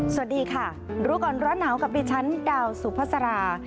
สวัสดีค่ะรู้ก่อนร้อนหนาวกับดิฉันดาวสุภาษา